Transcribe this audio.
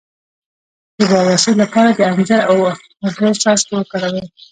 د بواسیر لپاره د انځر او اوبو څاڅکي وکاروئ